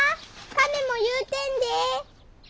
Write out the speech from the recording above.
カメも言うてんで！